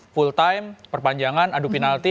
full time perpanjangan adu penalti